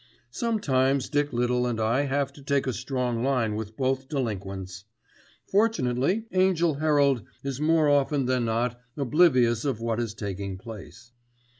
Sometimes Dick Little and I have to take a strong line with both delinquents. Fortunately Angell Herald is more often than not oblivious of what is taking place.